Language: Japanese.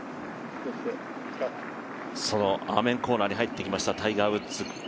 そのアーメンコーナーに入ってきましたタイガー・ウッズ。